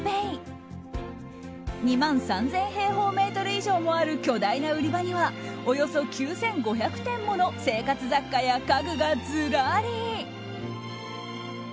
２万３０００平方メートル以上もある巨大な売り場にはおよそ９５００点もの生活雑貨や家具がずらり。